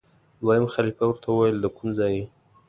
دویم خلیفه ورته وویل دکوم ځای یې؟